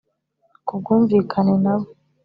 ku bwumvikane na bo.